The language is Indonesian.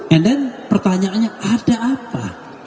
and then pertanyaannya ada apa